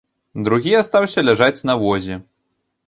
Другі астаўся ляжаць на возе.